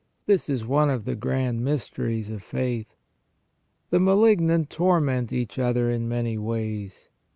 This is one of the grand mysteries of faith. The malignant torment each other in many ways.